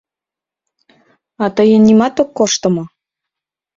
— А тыйын нимат ок коршто мо?